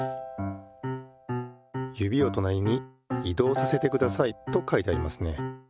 「指をとなりに移動させてください」と書いてありますね。